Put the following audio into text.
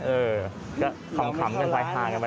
เออก็ขำกันไปฮากันไป